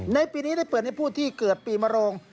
ในปีนี้ได้เปิดให้ผู้ที่เกิดปีมโรง